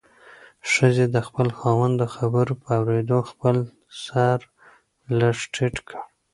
ښځې د خپل خاوند د خبرو په اورېدو خپل سر لږ ټیټ کړ.